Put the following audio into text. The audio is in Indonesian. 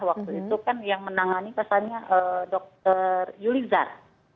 waktu itu kan yang menangani pasalnya dr yulizar